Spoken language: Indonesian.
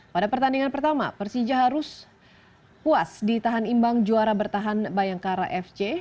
pada pertandingan pertama persija harus puas di tahan imbang juara bertahan bayangkara fc